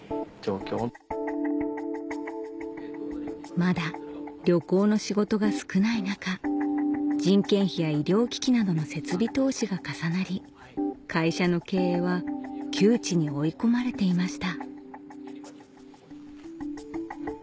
まだ旅行の仕事が少ない中人件費や医療機器などの設備投資が重なり会社の経営は窮地に追い込まれていました